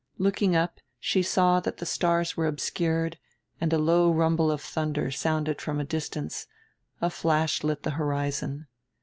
Looking up she saw that the stars were obscured, and a low rumble of thunder sounded from a distance, a flash lit the horizon.